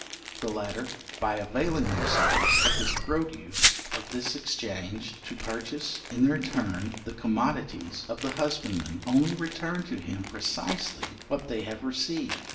The latter, by availing themselves of the produce of this exchange, to purchase in their turn the commodities of the husbandman, only return to him precisely what they have received.